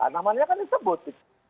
namanya kan disebut